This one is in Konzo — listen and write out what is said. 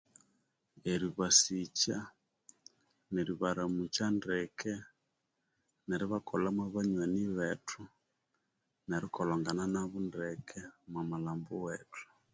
Eribasikya neribaramukya ndeke nerbakolhamu banywani bethu nerikolhongana nabo ndeke omu malhambo wethu